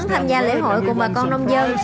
tham gia lễ hội cùng bà con nông dân